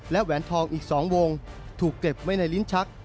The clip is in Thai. และแหวนทองอีก๒วงถูกเก็บไว้ในลิ้นชัก